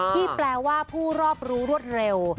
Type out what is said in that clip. ที่แปลว่าผู้รอบรู้รวดเร็ว